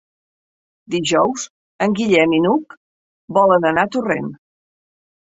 Dijous en Guillem i n'Hug volen anar a Torrent.